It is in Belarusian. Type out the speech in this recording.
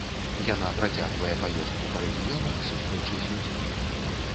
Яна працягвае паездкі па рэгіёнах, сустрэчы з людзьмі.